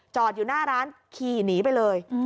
อยู่หน้าร้านขี่หนีไปเลย